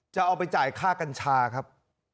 จะเอาไปจ่ายค่ากัญชาครับ